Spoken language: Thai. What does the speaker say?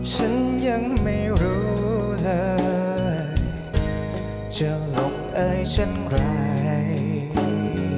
ฉันยังไม่รู้เธอจะหลงเอยฉันไร